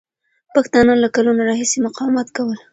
پښتانه له کلونو راهیسې مقاومت کوله.